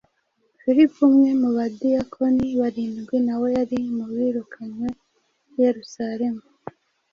Filipo umwe mu badiyakoni barindwi nawe yari mu birukanwe i Yerusalemu.